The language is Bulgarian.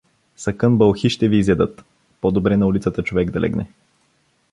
Сакън, бълхи ще ви изедат… по-добре на улицата човек да легне.